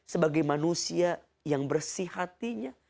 sebagai manusia yang bersih hatinya